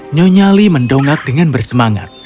nyonyali mendongak dengan bersemangat